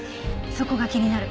そこが気になる。